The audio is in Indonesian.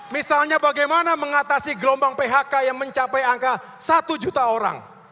misalnya bagaimana mengatasi gelombang phk yang mencapai angka satu juta orang